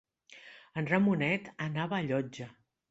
En Ramonet anava a Llotja.